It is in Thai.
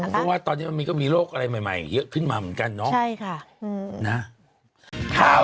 เพราะว่าตอนนี้มันก็มีโรคอะไรใหม่เยอะขึ้นมาเหมือนกันเนาะ